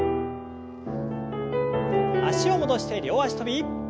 脚を戻して両脚跳び。